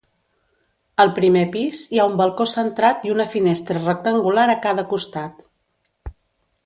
Al primer pis hi ha un balcó centrat i una finestra rectangular a cada constat.